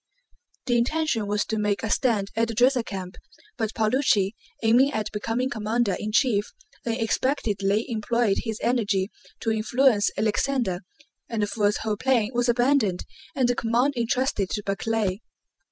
The intention was to make a stand at the Drissa camp, but Paulucci, aiming at becoming commander in chief, unexpectedly employed his energy to influence Alexander, and Pfuel's whole plan was abandoned and the command entrusted to Barclay.